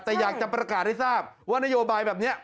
ตรการให้ทราบว่านโยบายแบบนี้